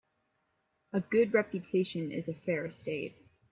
A good reputation is a fair estate.